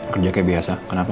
kerja kayak biasa kenapa